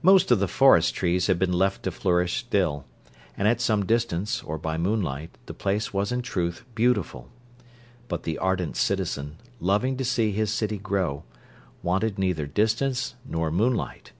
Most of the forest trees had been left to flourish still, and, at some distance, or by moonlight, the place was in truth beautiful; but the ardent citizen, loving to see his city grow, wanted neither distance nor moonlight.